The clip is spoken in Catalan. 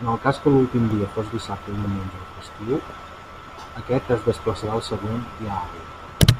En el cas que l'últim dia fos dissabte, diumenge o festiu, aquest es desplaçarà al següent dia hàbil.